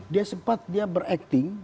dia sempat dia berakting